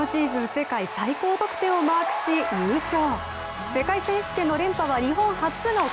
世界最高得点をマークし優勝。